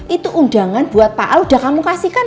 itu undangan buat pak al udah kamu kasih kan